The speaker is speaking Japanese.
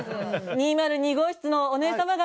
２０２号室のお姉様方。